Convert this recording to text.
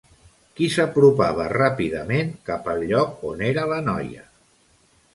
Qui s'apropava ràpidament cap al lloc on era la noia?